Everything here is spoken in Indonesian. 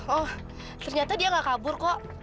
oh ternyata dia gak kabur kok